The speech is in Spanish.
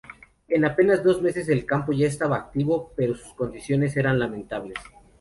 En apenas dos meses el campo ya estaba activo, pero sus condiciones eran lamentables.